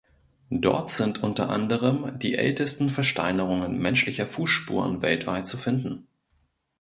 Dort sind unter anderem die ältesten Versteinerungen menschlicher Fußspuren weltweit zu finden.